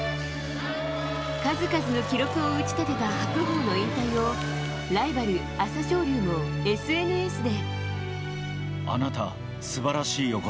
数々の記録を打ち立てた白鵬の引退をライバル朝青龍もＳＮＳで。